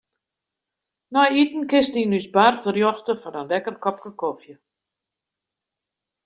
Nei iten kinst yn ús bar terjochte foar in lekker kopke kofje.